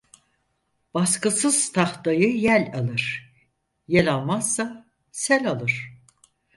Baskısız tahtayı yel alır, yel almazsa sel alır.